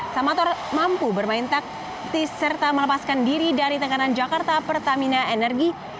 samator mampu bermain taktis serta melepaskan diri dari tekanan jakarta pertamina energi